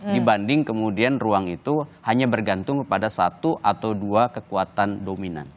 dibanding kemudian ruang itu hanya bergantung kepada satu atau dua kekuatan dominan